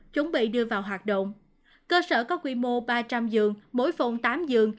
chuẩn bị đưa vào hoạt động cơ sở có quy mô ba trăm linh giường mỗi phòng tám giường